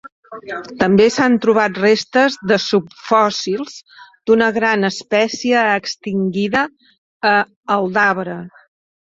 També s'han trobat restes de subfòssils d'una gran espècie extingida a Aldabra.